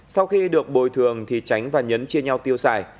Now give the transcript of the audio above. sau khi được bồi thường thì tránh và nhấn chia nhau tiêu xài